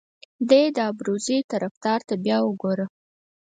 دې د ابروزي طرفدار ته بیا وګوره.